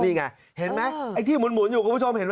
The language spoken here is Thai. นี่ไงเผ็ดไหมไอที่หมุนอยู่เห็ดไหม